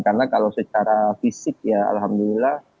karena kalau secara fisik ya alhamdulillah